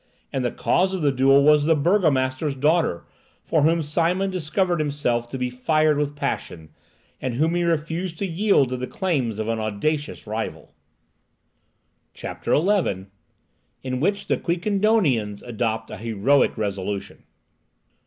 And the cause of this duel was the burgomaster's daughter, for whom Simon discovered himself to be fired with passion, and whom he refused to yield to the claims of an audacious rival! CHAPTER XI. IN WHICH THE QUIQUENDONIANS ADOPT A HEROIC RESOLUTION.